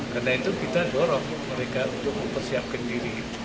karena itu kita dorong mereka untuk mempersiapkan diri